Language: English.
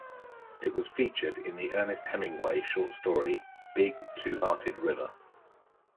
It was featured in the Ernest Hemingway short story "Big Two-Hearted River".